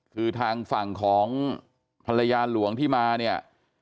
คือทางฝั่งของภรรยาหลวงที่มาเนี่ย